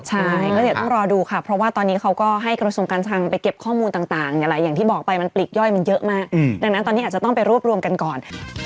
ใช่ก็เดี๋ยวต้องรอดูค่ะเพราะว่าตอนนี้เขาก็ให้กระทรวงการคลังไปเก็บข้อมูลต่างอย่างที่บอกไปมันปลีกย่อยมันเยอะมากดังนั้นตอนนี้อาจจะต้องไปรวบรวมกันก่อน